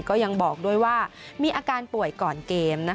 ก็ยังบอกด้วยว่ามีอาการป่วยก่อนเกม